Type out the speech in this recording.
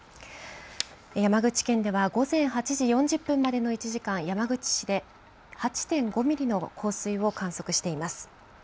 山口県では午前８時４０分までの１時間、山口市で８．５ミリの降水を観測しています。